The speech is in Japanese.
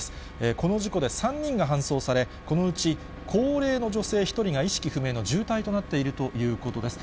この事故で３人が搬送され、このうち高齢の女性１人が意識不明の重体となっているということです。